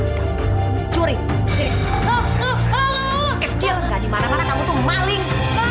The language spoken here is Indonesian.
hai curi kecil enggak dimana mana kamu tuh maling